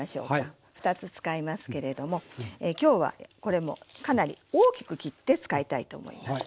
２つ使いますけれども今日はこれもかなり大きく切って使いたいと思います。